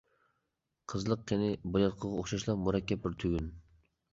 قىزلىق قېنى بالىياتقۇغا ئوخشاشلا مۇرەككەپ بىر تۈگۈن.